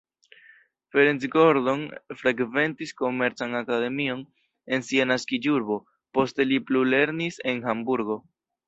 Ferenc Gordon frekventis komercan akademion en sia naskiĝurbo, poste li plulernis en Hamburgo.